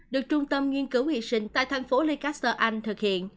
được trung tâm nghiên cứu hy sinh tại tp hcm thực hiện